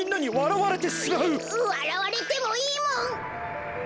わらわれてもいいもん！